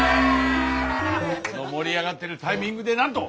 この盛り上がってるタイミングでなんと！